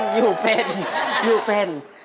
อยู่เป็นอยู่เป็น